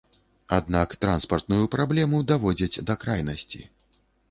Аднак транспартную праблему даводзяць да крайнасці.